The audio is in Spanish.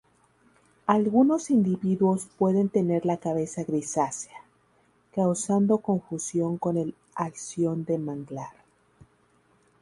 Algunos individuos pueden tener la cabeza grisácea, causando confusión con el alción de manglar.